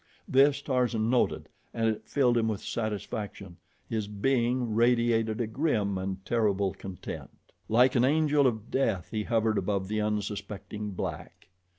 This Tarzan noted, and it filled him with satisfaction his being radiated a grim and terrible content. Like an angel of death he hovered above the unsuspecting black.